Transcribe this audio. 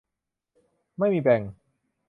ไม่มีแบ่ง